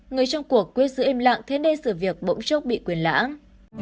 người trong cuộc quyết giữ im lặng thế nên sự việc bỗng chốc bị quyền lãng